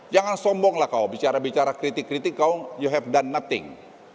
jangan sombonglah kau bicara bicara kritik kritik kau you have done nothing